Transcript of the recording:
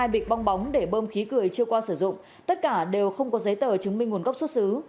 hai bịch bong bóng để bơm khí cười chưa qua sử dụng tất cả đều không có giấy tờ chứng minh nguồn gốc xuất xứ